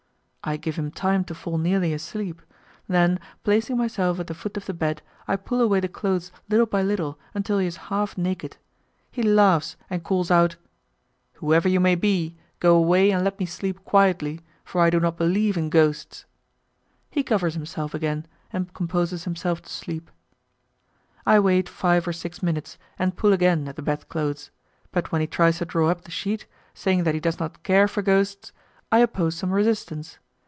I give him time to fall nearly asleep; then, placing myself at the foot of the bed, I pull away the clothes little by little until he is half naked. He laughs and calls out, "Whoever you may be, go away and let me sleep quietly, for I do not believe in ghosts;" he covers himself again and composes himself to sleep. I wait five or six minutes, and pull again at the bedclothes; but when he tries to draw up the sheet, saying that he does not care for ghosts, I oppose some resistance.